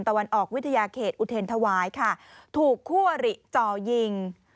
ตะวันออกวิทยาเขตอุทธินทวายถูกคั่วหรี่เจาะยิง